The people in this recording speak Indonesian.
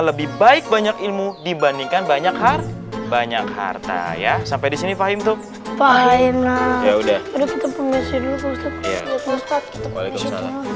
lebih baik banyak ilmu dibandingkan banyak harga banyak harta ya sampai di sini fahim tuh